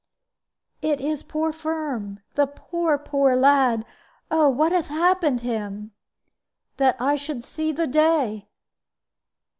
"It is poor Firm, the poor, poor lad! oh, what hath happened him? That I should see the day!"